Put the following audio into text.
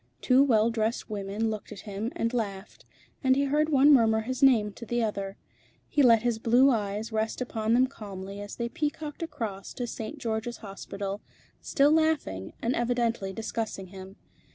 Two well dressed women looked at him and laughed, and he heard one murmur his name to the other. He let his blue eyes rest upon them calmly as they peacocked across to St. George's Hospital, still laughing, and evidently discussing him.